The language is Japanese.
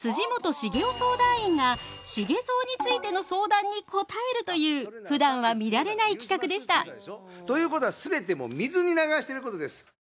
本茂雄相談員が茂造についての相談に答えるというふだんは見られない企画でしたということは全てもう水に流してることです。